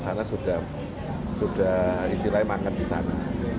sana sudah istilahnya makan di sana